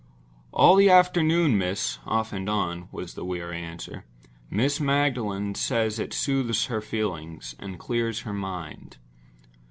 "All the afternoon, miss, off and on," was the weary answer. "Miss Magdalen says it soothes her feelings and clears her mind."